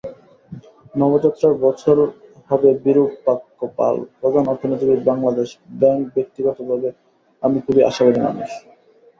নবযাত্রার বছর হবেবিরূপাক্ষ পাল, প্রধান অর্থনীতিবিদ বাংলাদেশ ব্যাংকব্যক্তিগতভাবে আমি খুবই আশাবাদী মানুষ।